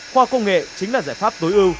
khoa công nghệ chính là giải pháp tối ưu